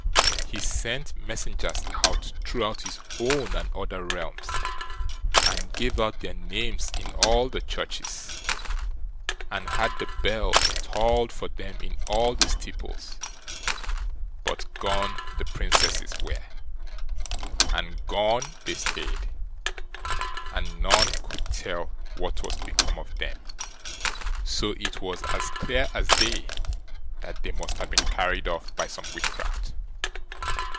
He sent messengers out throughout his own and other realms, and gave out their names in all the churches, and had the bells tolled for them in all the steeples; but gone the Princesses were, and gone they stayed, and none could tell what was become of them. So it was as clear as day that they must have been carried off by some witchcraft.